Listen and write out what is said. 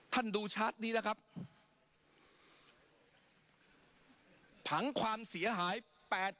ท่านดูชาตินี้นะครับผังความเสียหาย๘ประเทศ